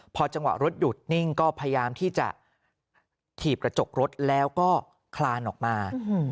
พอจังหวะรถหยุดนิ่งก็พยายามที่จะถีบกระจกรถแล้วก็คลานออกมา